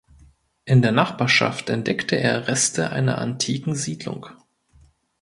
In der Nachbarschaft entdeckte er Reste einer antiken Siedlung.